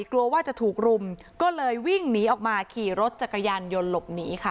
กลัวว่าจะถูกรุมก็เลยวิ่งหนีออกมาขี่รถจักรยานยนต์หลบหนีค่ะ